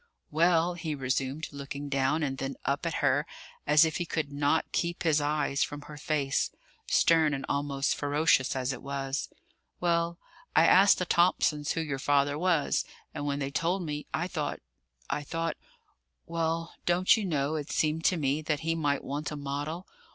"Well," he resumed, looking down and then up at her, as if he could not keep his eyes from her face, stern and almost ferocious as it was, "well, I asked the Thomsons who your father was, and when they told me, I thought I thought Well, don't you know, it seemed to me that he might want a model.